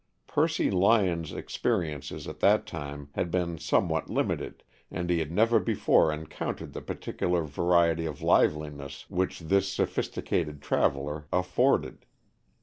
Percy Lyon's experiences at that time had been somewhat limited, and he had never before encountered the particular variety of liveliness which this sophisticated traveler afforded.